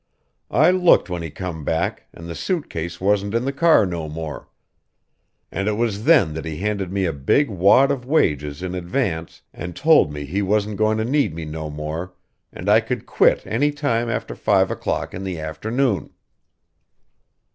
I looked when he come back and the suit case wasn't in the car no more. And it was then that he handed me a big wad of wages in advance and told me he wasn't going to need me no more and I could quit any time after five o'clock in the afternoon."